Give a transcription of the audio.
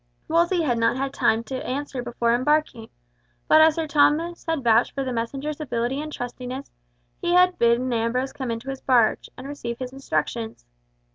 Wolsey had not time to answer before embarking, but as Sir Thomas had vouched for the messenger's ability and trustiness, he had bidden Ambrose come into his barge, and receive his instructions.